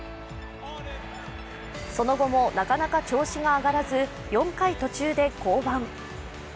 その後もなかなか調子が上がらず４回途中で降板。